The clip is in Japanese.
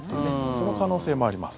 その可能性もあります。